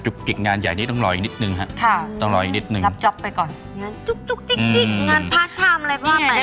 จุกจิกงานพาร์ททายมอะไรพ่อไป